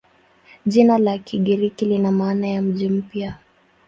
Jina la Kigiriki lina maana ya "mji mpya".